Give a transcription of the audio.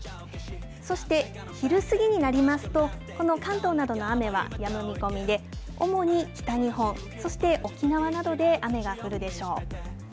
そして昼過ぎになりますと、この関東などの雨はやむ見込みで、主に北日本、そして沖縄などで雨が降るでしょう。